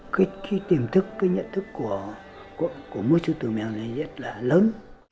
cái tìm thức cái nhận thức của mỗi sư tử mèo này rất là lớn